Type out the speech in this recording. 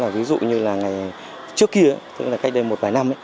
ví dụ như là ngày trước kia tức là cách đây một vài năm